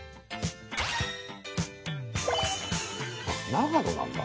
長野なんだ。